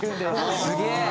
すげえ！